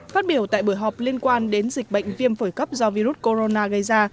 phát biểu tại buổi họp liên quan đến dịch bệnh viêm phổi cấp do virus corona gây ra